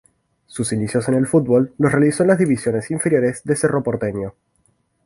Sus inicios en el fútbol, los realizó en las divisiones inferiores de Cerro Porteño.